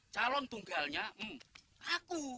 calon tunggalnya aku